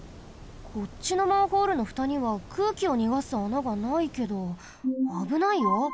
こっちのマンホールのふたにはくうきをにがす穴がないけどあぶないよ。